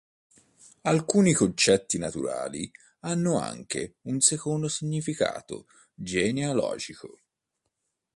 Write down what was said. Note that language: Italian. Alcuni concetti naturali hanno anche un secondo significato genealogico.